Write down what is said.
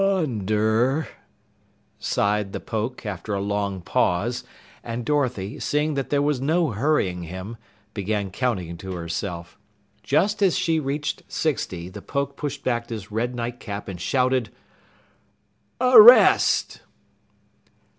"Under " sighed the Poke after a long pause, and Dorothy, seeing that there was no hurrying him, began counting to herself. Just as she reached sixty, the Poke pushed back his red nightcap and shouted: "Arrest!"